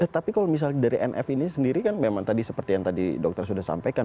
tapi kalau misalnya dari nf ini sendiri kan memang tadi seperti yang tadi dokter sudah sampaikan